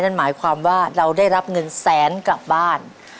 นั่นหมายความว่าเราได้รับเงินแสนกลับบ้าน